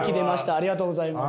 ありがとうございます。